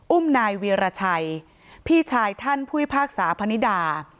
อุ้มนายเวียรชัยพี่ชายท่านผู้พิพากษาพนิดา